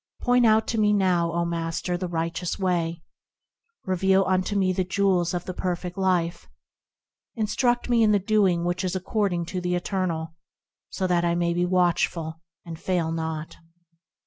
Point out to me now, O Master ! the righteous way ; Reveal unto me the jewels of the perfect life ; Instruct me in the doing which is according to the Eternal, So that I may be watchful, and fail not.